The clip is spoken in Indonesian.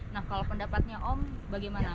nah kalau pendapatnya om bagaimana